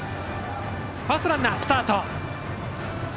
ファーストランナースタート。